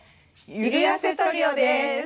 ゆるやせトリオです。